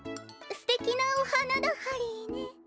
すてきなおはなだハリーね。